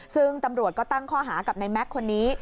ซึ่งตำรวจก็ตั้งข้อหากับในแม็กซ์คนนี้